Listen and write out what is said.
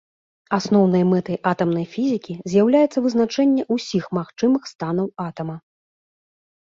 Асноўнай мэтай атамнай фізікі з'яўляецца вызначэнне ўсіх магчымых станаў атама.